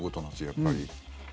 やっぱり。